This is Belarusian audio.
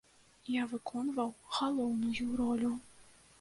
Я выконваў галоўную ролю.